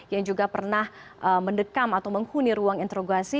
yang juga pernah mendekam atau menghuni ruang interogasi